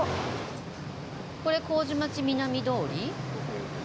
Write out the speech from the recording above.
これ麹町南通り？